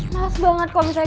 males banget kalau misalnya